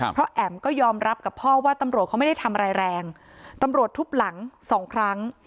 เพราะแอ๋มก็ยอมรับกับพ่อว่าตำรวจเขาไม่ได้ทำอะไรแรงตำรวจทุบหลังสองครั้ง